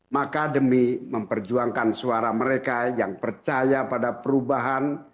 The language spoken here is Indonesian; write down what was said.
maka demi memperjuangkan suara mereka yang percaya pada perubahan